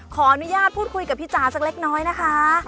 ขออนุญาตพูดคุยกับพี่จ๋าสักเล็กน้อยนะคะ